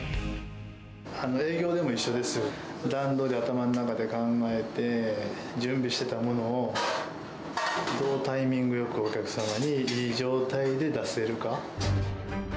営業でも一緒ですけど、段取りを頭の中で考えて、準備していたものをどのタイミングでよくお客様に、いい状態で出せるか。